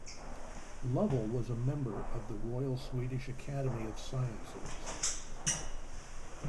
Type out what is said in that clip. Lovell was a member of the Royal Swedish Academy of Sciences.